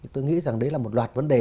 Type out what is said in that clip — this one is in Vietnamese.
tôi nghĩ là đấy là một loạt vấn đề